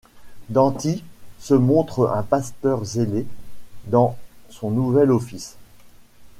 Danti se montre un pasteur zélé dans son nouvel office.